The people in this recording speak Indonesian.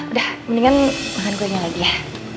udah mendingan makan kuyenya lagi ya